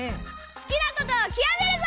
好きなことをきわめるぞ！